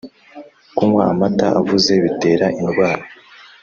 kunywa amata avuze bitera indwara